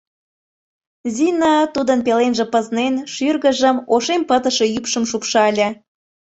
Зина, тудын пеленже пызнен, шӱргыжым, ошем пытыше ӱпшым шупшале.